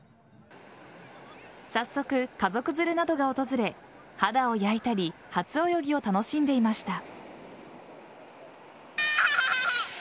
早速、家族連れなどが訪れ肌を焼いたり初泳ぎを楽しんでいました。